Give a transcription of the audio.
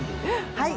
はい。